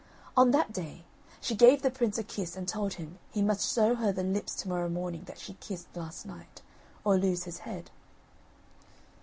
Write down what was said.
On that day, she gave the prince a kiss and told him he must show her the lips to morrow morning that she kissed last night, or lose his head.